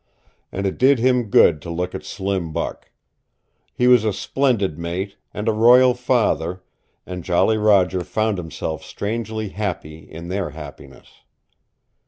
And it did him good to look at Slim Buck. He was a splendid mate, and a royal father, and Jolly Roger found himself strangely happy in their happiness.